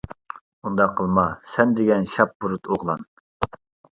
ئۇنداق قىلما، سەن دېگەن شاپ بۇرۇت ئوغلان.